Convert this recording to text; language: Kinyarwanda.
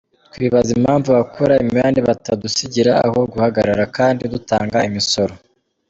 Twibaza impamvu abakora imihanda batadusigira aho guhagarara kandi dutanga imisoro.